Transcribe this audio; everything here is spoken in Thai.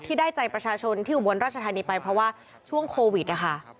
ได้ใจประชาชนที่อุบลราชธานีไปเพราะว่าช่วงโควิดนะคะ